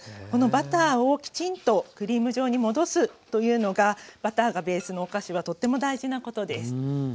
このバターをきちんとクリーム状に戻すというのがバターがベースのお菓子はとっても大事なことです。